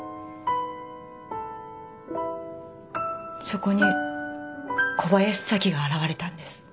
そこに小林早紀が現れたんです。